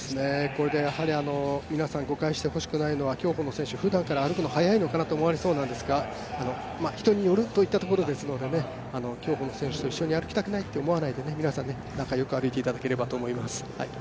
これで皆さん誤解してほしくないのは競歩の選手、ふだんから歩くの速いのかなと思われそうですが人によるといったところですのでね、競歩の選手と一緒に歩きたくないと思わないで皆さん、仲良く歩いていただければと思います。